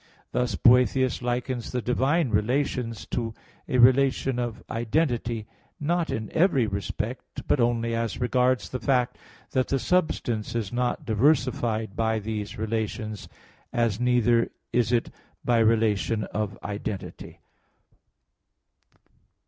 Thus Boethius likens the divine relations to a relation of identity, not in every respect, but only as regards the fact that the substance is not diversified by these relations, as neither is it by relation of identity.